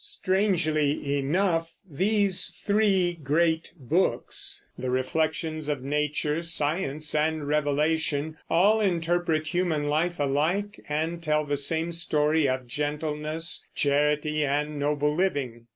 Strangely enough, these three great books the reflections of nature, science, and revelation all interpret human life alike and tell the same story of gentleness, charity, and noble living.